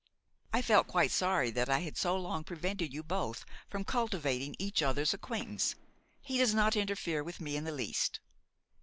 I felt quite sorry that I had so long prevented you both from cultivating each other's acquaintance. He does not interfere with me in the least.